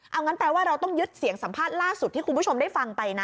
เอางั้นแปลว่าเราต้องยึดเสียงสัมภาษณ์ล่าสุดที่คุณผู้ชมได้ฟังไปนะ